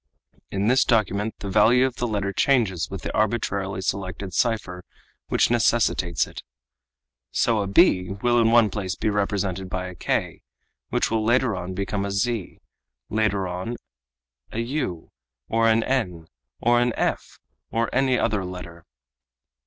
"In this document the value of the letter changes with the arbitrarily selected cipher which necessitates it. So a b will in one place be represented by a k will later on become a z, later on an u or an n or an f, or any other letter."